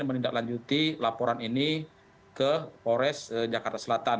menindaklanjuti laporan ini ke polres jakarta selatan